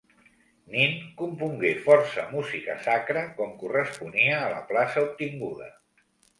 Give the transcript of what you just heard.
Nin compongué força música sacra, com corresponia a la plaça obtinguda.